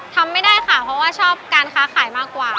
ทำไม่ได้ค่ะเพราะว่าชอบการค้าขายมากกว่า